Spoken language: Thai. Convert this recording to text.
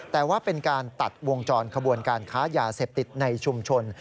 แต่ว่าเป็นการตัดวงจรขบวนการค้ายาเสพติดในชุมชน